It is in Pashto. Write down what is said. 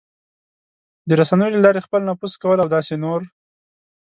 د رسنیو له لارې خپل نفوذ کول او داسې نور...